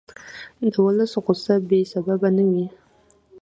د ولس غوسه بې سببه نه وي